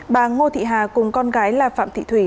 bà ngô thị hà cùng con gái là phạm thị thủy